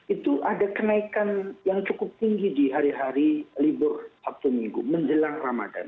itu ada kenaikan yang cukup tinggi di hari hari libur sabtu minggu menjelang ramadan